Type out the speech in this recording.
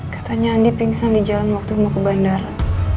katanya andi pingsan di jalan waktu mau ke bandara